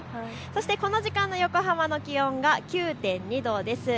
この時間の横浜の気温が９．２度です。